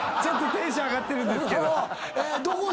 ちょっとテンション上がってるんですけど。